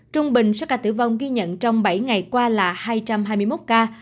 trung bình số ca tử vong ghi nhận trong bảy ngày qua là hai trăm hai mươi một ca